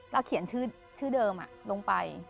เขียนชื่อเดิมลงไป